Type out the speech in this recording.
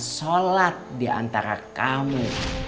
sholat diantara kamu